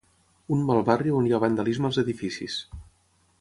un mal barri on hi ha vandalisme als edificis